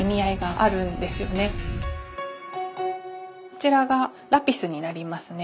こちらがラピスになりますね。